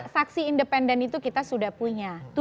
saksi independen itu kita sudah punya